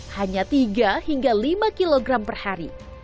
hanya tiga hingga lima kilogram per hari